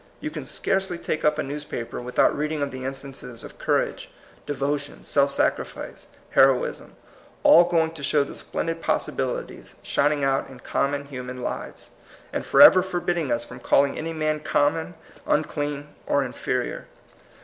You can scarcely take up a newspaper without reading of the instances of courage, devotion, self sacrifice, heroism, — all going to show the splendid possibili ties shining out in common human lives, and forever forbidding us from calling any man common, unclean, or inferior.